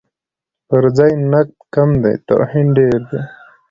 پرځای نقد کم دی، توهین ډېر دی.